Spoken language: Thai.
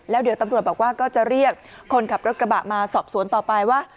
แล้วเดี๋ยวตำรวจบอกว่าก็จะเรียกคนขับรถกระบะมาสอบสวนต่อไปว่า